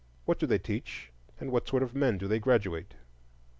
what do they teach? and what sort of men do they graduate?